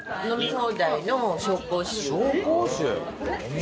紹興酒？